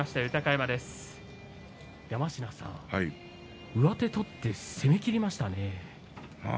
山科さん、上手を取って攻めきりましたね。